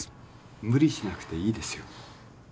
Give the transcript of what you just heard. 無理しなくていいですよ